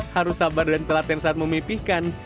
harus sabar dan telaten saat memipihkan